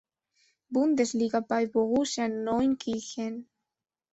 Bundesliga bei Borussia Neunkirchen.